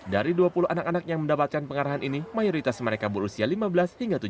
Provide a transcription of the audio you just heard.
dari dua puluh anak anak yang mendapatkan pengarahan ini mayoritas mereka berusia lima belas hingga tujuh belas tahun